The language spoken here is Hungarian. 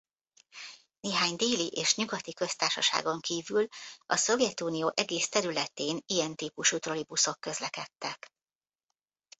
Néhány déli és nyugati köztársaságon kívül a Szovjetunió egész területén ilyen típusú trolibuszok közlekedtek.